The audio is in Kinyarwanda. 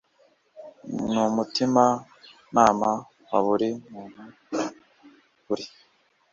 n umutima nama wa buri muntu buri